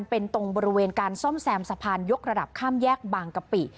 เป็นตรงบริเวณการซ่อมแซมสะพานยกระดับข้ามแยกบางกะปิ